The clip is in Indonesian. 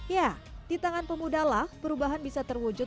ya di tangan pemuda lah perubahan bisa terwujud